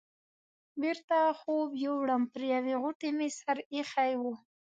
بېرته ژر خوب یووړم، پر یوې غوټې مې سر ایښی و.